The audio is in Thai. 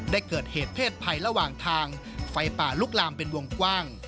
ได้เกิดเหตุเพศภัยระหว่างทางไฟป่าลุกลามเป็นวงกว้าง